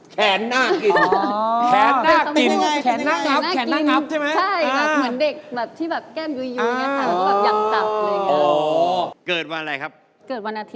แขนน่ากิน